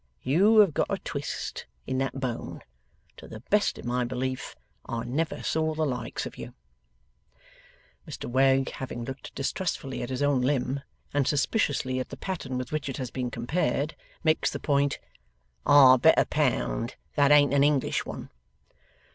You have got a twist in that bone, to the best of my belief. I never saw the likes of you.' Mr Wegg having looked distrustfully at his own limb, and suspiciously at the pattern with which it has been compared, makes the point: 'I'll bet a pound that ain't an English one!